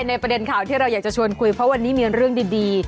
ในประเด็นข่าวที่เราอยากจะชวนคุยเพราะวันนี้มีเรื่องดี